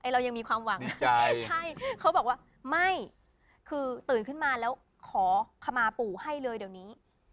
เรายังมีความหวังใช่เขาบอกว่าไม่คือตื่นขึ้นมาแล้วขอขมาปู่ให้เลยเดี๋ยวนี้